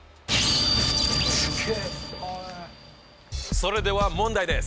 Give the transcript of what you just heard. それでは問題です。